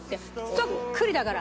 そっくりだから！